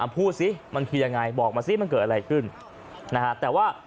พูดสิมันคือยังไงบอกมาสิมันเกิดอะไรขึ้นนะฮะแต่ว่า